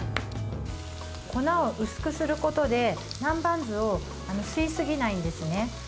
粉を薄くすることで南蛮酢を吸いすぎないんですね。